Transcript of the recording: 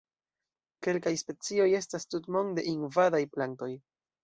Kelkaj specioj estas tutmonde invadaj plantoj.